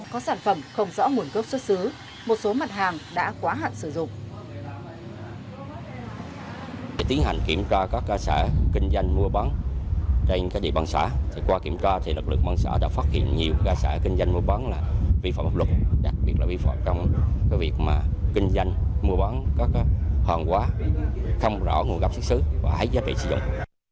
các sản phẩm không rõ nguồn gốc xuất xứ một số mặt hàng đã quá hạn sử dụng